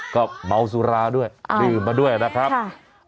ก็เมาสุราด้วยดื่มมาด้วยนะครับ